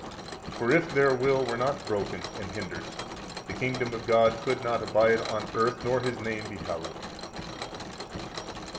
For if their will were not broken and hindered, the kingdom of God could not abide on earth nor His name be hallowed.